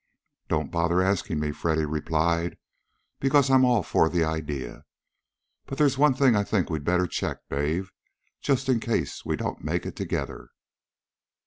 "Don't bother asking me," Freddy replied, "because I'm all for the idea. But there's one thing I think we'd better check, Dave, just in case we don't make it together."